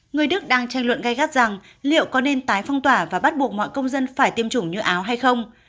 người đức đang tranh luận gai gắt rằng liệu có nên tái phong tỏa và bắt buộc mọi công dân phải tiêm chủng như áo hay không